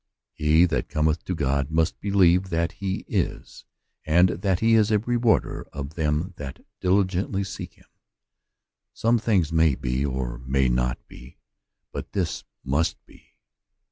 "He that cometh to God must believe that he is, and that he is a rewarder of them that diligently seek him. Some things may be or may not be, but this must be.